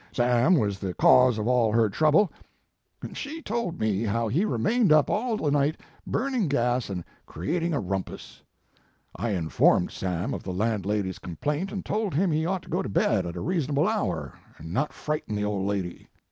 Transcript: Sam was the cause of all her trouble, and she 88 Mark Twain told me how he remained up all the night burning gas and creating a rumpus. I informed Sarn of the landlady s complaint and told him he ought to go to bed at a reasonable hour and not frighten the old lady.